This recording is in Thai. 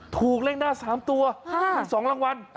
ถูกเลขหน้า๓ตัวมี๒รางวัล